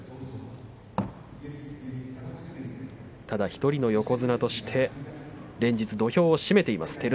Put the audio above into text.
ただ１人の横綱として連日、土俵を締めています